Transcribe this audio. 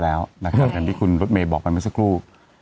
ทำซึ่งข้าจะบอกได้ไหมซักครู่